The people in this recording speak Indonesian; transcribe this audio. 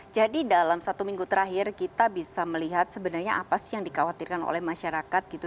jadi dalam satu minggu terakhir kita bisa melihat sebenarnya apa sih yang dikhawatirkan oleh masyarakat gitu